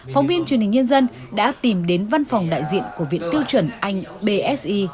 phóng viên truyền hình nhân dân đã tìm đến văn phòng đại diện của viện tiêu chuẩn anh bsi